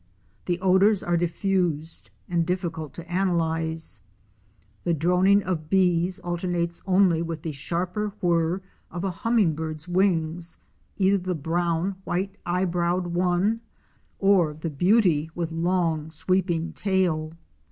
The odors are diffused and difficult to analyze; the droning of bees alter nates only with the sharper whirr of a Hummingbird's wings, either the brown White eyebrowed one," or the beauty with long sweeping tail."